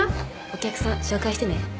お客さん紹介してね。